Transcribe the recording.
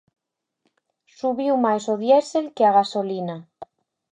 Subiu máis o diésel que a gasolina.